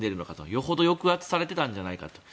よほど抑圧されていたんじゃないかと。